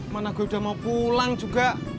mana gue udah mau pulang juga